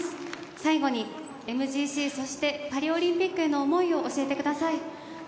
最後にＭＧＣそしてパリオリンピックへの思いを教えてください。